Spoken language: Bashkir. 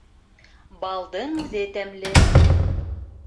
Балдың үҙе тәмле